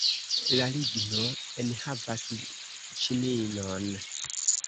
La ligno enhavas ĉininon.